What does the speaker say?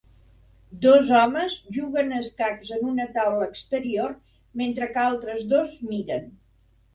Dos homes juguen a escacs en una taula exterior mentre que altres dos miren.